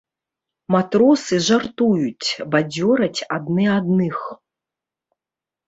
Матросы жартуюць, бадзёраць адны адных.